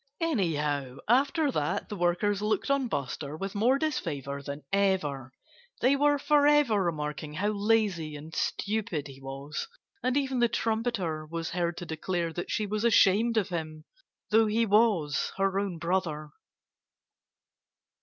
Anyhow, after that the workers looked on Buster with more disfavor than ever. They were forever remarking how lazy and stupid he was. And even the trumpeter was heard to declare that she was ashamed of him though he was her own brother.